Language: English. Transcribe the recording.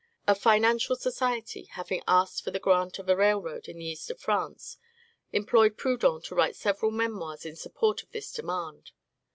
A financial society, having asked for the grant of a railroad in the east of France, employed Proudhon to write several memoirs in support of this demand.